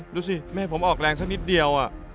ดูสิแม่ผมออกแรงสักนิดเดียว